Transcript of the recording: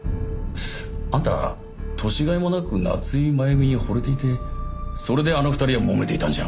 あんた年がいもなく夏井真弓に惚れていてそれであの２人はもめていたんじゃ。